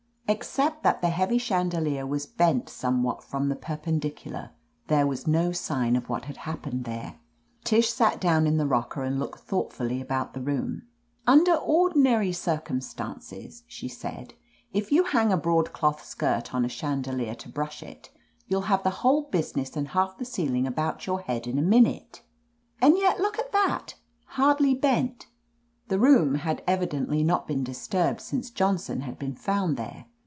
Except that the heavy chan delier was bent somewhat from the perpendicu lar, there was no sign of what had happened there. Tish sat down in the rocker and looked thoughtfully about the room. Under ordinary circumstances," she said, if you hang a broadcloth skirt on a chandelier to brush it, youll have the whole business and 43 THE AMAZING ADVENTURES half the ceiling about your head in a minute. And yet, look at that, hardly bent !" The room had evidently not been disturbed since Johnson had been found there.